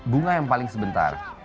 bunga yang paling sebentar